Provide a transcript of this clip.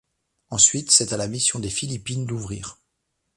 Ensuite c'est à la mission des Philippines d'ouvrir.